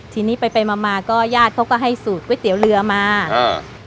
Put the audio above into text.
ทีนี้ไปไปมามาก็ญาติเขาก็ให้สูตรก๋วยเตี๋ยวเรือมาอ่า